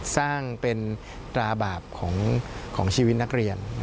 สร้างเป็นตราบาปของชีวิตนักเรียน